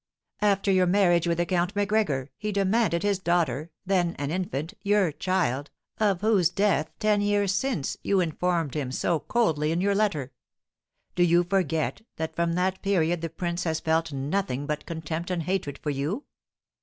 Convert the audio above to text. After your marriage with the Count Macgregor, he demanded his daughter, then an infant, your child, of whose death, ten years since, you informed him so coldly in your letter. Do you forget that from that period the prince has felt nothing but contempt and hatred for you?"